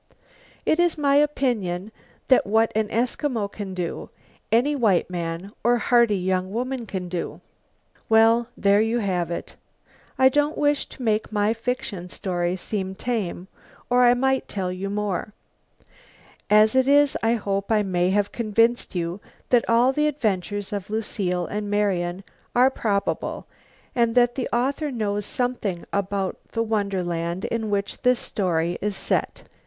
It is my opinion that what an Eskimo can do, any white man or hearty young woman can do. Well, there you have it. I don't wish to make my fiction story seem tame, or I might tell you more. As it is I hope I may have convinced you that all the adventures of Lucile and Marian are probable and that the author knows something about the wonderland in which the story is set.